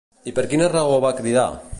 I per quina raó va cridar?